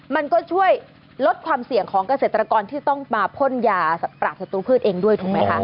มันก็ช่วยลดความเสี่ยงของเกษตรกรที่ต้องมาพ่นยาปราศัตรูพืชเองด้วยถูกไหมคะ